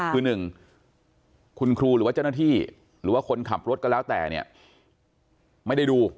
คือหนึ่งคุณครูหรือว่าเจ้าหน้าที่หรือว่าคนขับรถก็แล้วแต่เนี่ยไม่ได้ดู